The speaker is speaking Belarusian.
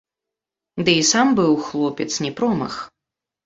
Ды і сам быў хлопец не промах.